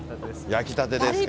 焼きたてですから。